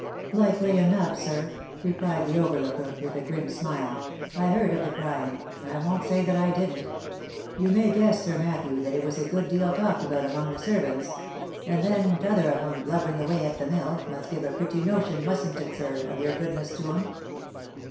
" Likely enough, sir," replied the overlooker with a grim smile. "I heard of the crying, I won't say that I didn't. You may guess, Sir Matthew that it was a good deal talked about among the servants — and then t'other of 'em blubbering away at the mill, must give a pretty notion, mustn't it, sir, of your goodness to 'em?"